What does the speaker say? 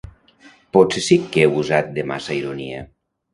-Potser sí que he usat de massa ironia…